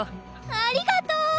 ありがとう！